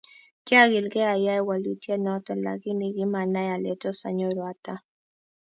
Kiakilkei ayai walutiet noto lakini kimanai ale tos anyoru ata